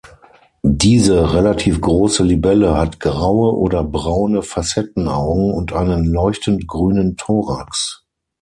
Diese relativ große Libelle hat graue oder braune Facettenaugen und einen leuchtend grünen Thorax.